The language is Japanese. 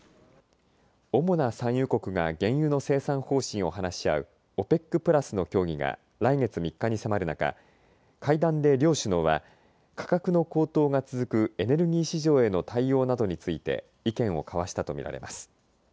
主な産油国が原油の生産方針を話し合うＯＰＥＣプラスの協議が来月３日に迫る中、会談で両首脳は価格の高騰が続くエネルギー市場への対応などについて意見を交わしたと見られます。